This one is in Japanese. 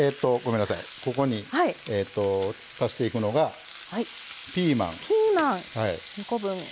ここに足していくのがピーマン。